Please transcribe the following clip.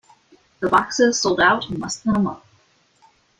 The boxes sold out in less than a month.